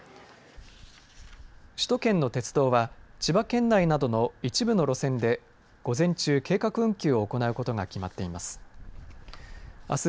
首都圏の鉄道は千葉県内などの一部の路線で午前中、計画運休を行うことが決まっています。